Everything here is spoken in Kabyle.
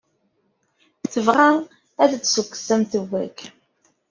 Tebɣa ad d-tessukkes amtiweg.